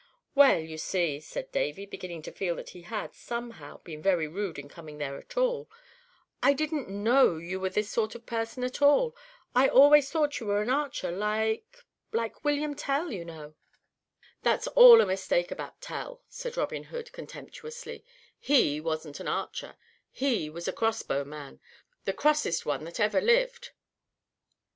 "Well, you see," said Davy, beginning to feel that he had, somehow, been very rude in coming there at all, "I didn't know you were this sort of person at all. I always thought you were an archer, like like William Tell, you know." [Illustration: "'VENISON IS DEER, ISN'T IT?' SAID DAVY, LOOKING UP AT THE SIGN."] "That's all a mistake about Tell," said Robin Hood, contemptuously. "He wasn't an archer. He was a crossbow man, the crossest one that ever lived.